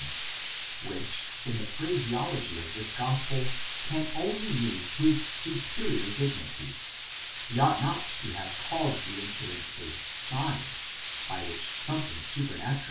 11), which, in the phraseology of this gospel, can only mean his superior dignity; he ought not.to have called the incident a sign (σημεῖον), by which something supernatural is im 31 Flatt, ut sup.